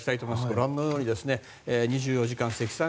ご覧のように２４時間積算